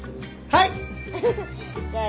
はい！